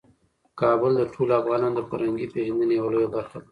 کابل د ټولو افغانانو د فرهنګي پیژندنې یوه لویه برخه ده.